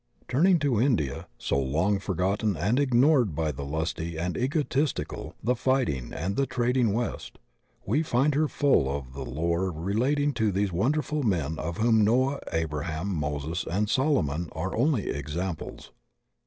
Turning to India, so long forgotten and ignored by the lusty and egotistical, the fitting and the trading West, we find her full of the lore relating to these wonderful men of whom Noah, Abraham, Moses, and Solomon are only examples.